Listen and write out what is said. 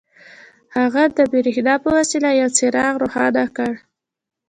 هغه د برېښنا په وسيله يو څراغ روښانه کړ.